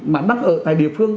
mà đang ở tại địa phương